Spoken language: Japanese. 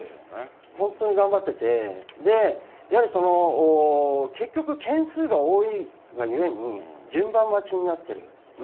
本当に頑張ってて、やはりその結局、件数が多いがゆえに、順番待ちになっている。